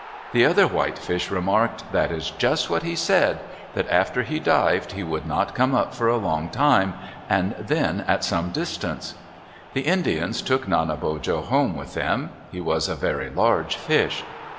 The other whitefish remarked, "That is just what he said—that after he dived he would not come up for a long time, and then at some distance." The Indians took Nanebojo home with them. He was a very large fish.